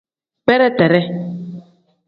Bereteree.